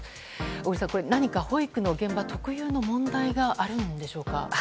小栗さん、何か保育の現場特有の問題があるんでしょうか。